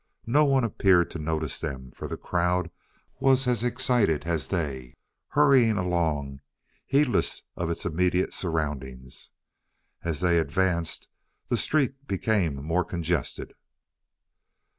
No one appeared to notice them, for the crowd was as excited as they, hurrying along, heedless of its immediate surroundings. As they advanced, the street became more congested.